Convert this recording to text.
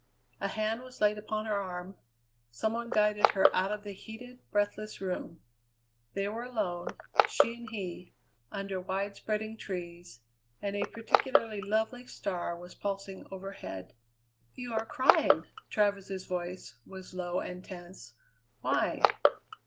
A hand was laid upon her arm, some one guided her out of the heated, breathless room; they were alone, she and he, under wide spreading trees, and a particularly lovely star was pulsing overhead. "You are crying!" Travers's voice was low and tense. "Why?"